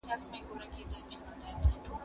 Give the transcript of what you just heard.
زه اوس کتاب وليکم!!!!